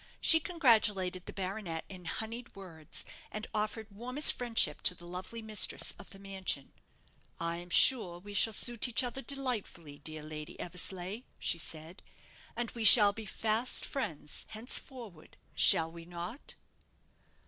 She congratulated the baronet in honeyed words, and offered warmest friendship to the lovely mistress of the mansion. "I am sure we shall suit each other delightfully, dear Lady Eversleigh," she said; "and we shall be fast friends henceforward shall we not?"